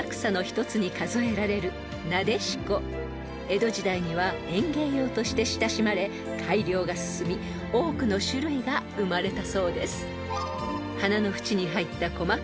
［江戸時代には園芸用として親しまれ改良が進み多くの種類が生まれたそうです］